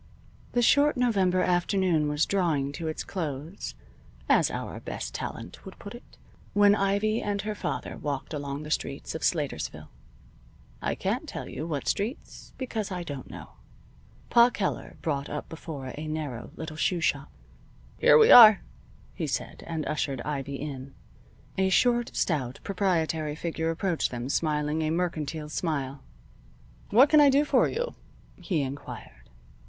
The short November afternoon was drawing to its close (as our best talent would put it) when Ivy and her father walked along the streets of Slatersville. (I can't tell you what streets, because I don't know.) Pa Keller brought up before a narrow little shoe shop. "Here we are," he said, and ushered Ivy in. A short, stout, proprietary figure approached them smiling a mercantile smile. "What can I do for you?" he inquired.